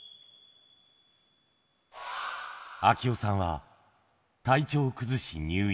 明雄さんは体調を崩し入院。